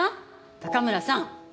高村さん！